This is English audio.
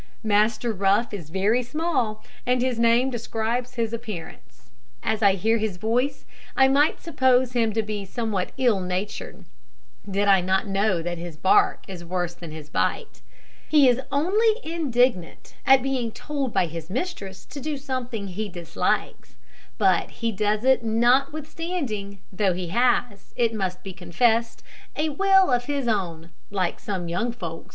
Master Rough is very small, and his name describes his appearance. As I hear his voice, I might suppose him to be somewhat ill natured, did I not know that his bark is worse than his bite. He is only indignant at being told by his mistress to do something he dislikes; but he does it notwithstanding, though he has, it must be confessed, a will of his own, like some young folks.